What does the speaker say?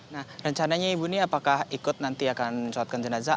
nah rencananya ibu ini apakah ikut nanti akan mencolatkan jenazah